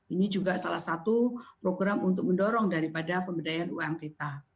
ini juga salah satu program untuk mendorong daripada pemberdayaan umkm kita